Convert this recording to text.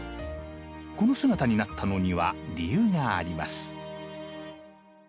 この姿になったのには理由があります。